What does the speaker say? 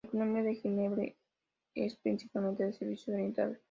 La economía de Ginebra es principalmente de servicios orientados.